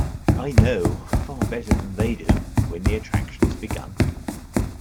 I know, far better than they do, when the attraction has begun.